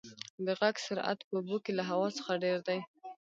د غږ سرعت په اوبو کې له هوا څخه ډېر دی.